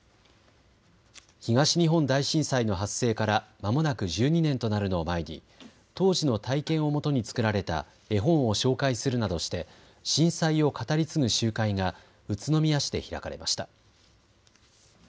東日本大震災の発生からまもなく１２年となるのを前に当時の体験をもとに作られた絵本を紹介するなどして震災を語り継ぐ集会が宇都宮市で開かれました。